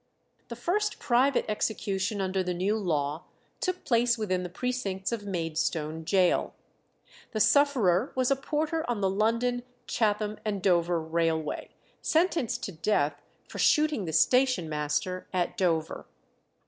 The first private execution under the new law took place within the precincts of Maidstone Gaol. The sufferer was a porter on the London, Chatham, and Dover railway, sentenced to death for shooting the station master at Dover.